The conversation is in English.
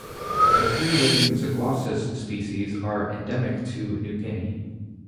The three living "Zaglossus" species are endemic to New Guinea.